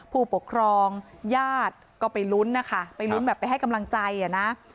ผู้ปกครองญาติก็ไปลุ้นนะคะไปลุ้นแบบไปให้กำลังใจอ่ะนะ